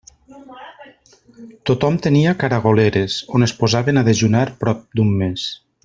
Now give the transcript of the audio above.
Tothom tenia caragoleres, on es posaven a dejunar prop d'un mes.